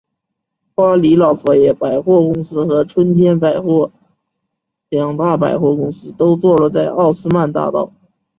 巴黎老佛爷百货公司和春天百货两大百货公司都坐落在奥斯曼大道。